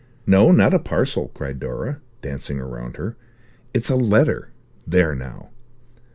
"No, not a parcel," cried Dora, dancing round her. "It's a letter. There now!"